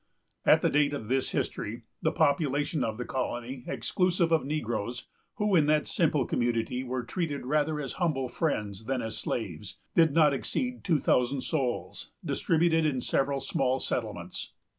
At the date of this history, the population of the colony, exclusive of negroes, who, in that simple community, were treated rather as humble friends than as slaves, did not exceed two thousand souls, distributed in several small settlements.